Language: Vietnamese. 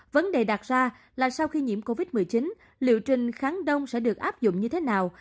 vấn đề đặt ra là sau khi nhiễm covid một mươi chín liệu trình kháng đông sẽ được áp dụng như thế nào